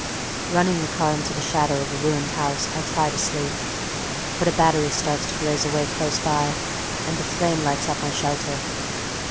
Running the car into the shadow of a ruined house, I try to sleep. But a battery starts to blaze away close by, and the flame lights up my shelter.